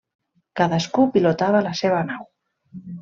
Cadascú pilotava la seva nau.